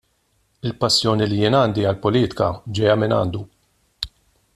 Il-passjoni li jien għandi għall-politika ġejja mingħandu.